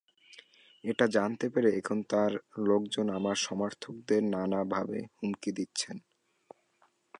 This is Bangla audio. এটা জানতে পেরে এখন থেকে তাঁর লোকজন আমার সমর্থকদের নানাভাবে হুমকি দিচ্ছেন।